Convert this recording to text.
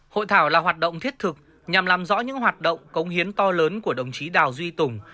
hội thảo là hoạt động thiết thực nhằm làm rõ những hoạt động công hiến to lớn của đồng chí đào duy tùng